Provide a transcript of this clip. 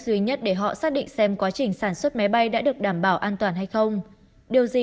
duy nhất để họ xác định xem quá trình sản xuất máy bay đã được đảm bảo an toàn hay không điều gì